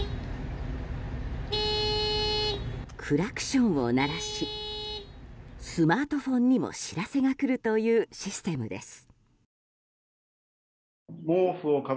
クラクションを鳴らしスマートフォンにも知らせが来るというシステムです。